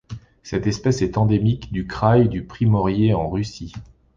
Cette espèce est endémique du kraï du Primorié en Russie.